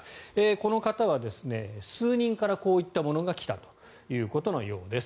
この方は数人からこういったものが来たということのようです。